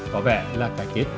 có vẻ là cải kết